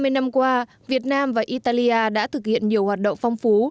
hai mươi năm qua việt nam và italia đã thực hiện nhiều hoạt động phong phú